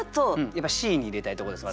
やっぱＣに入れたいところです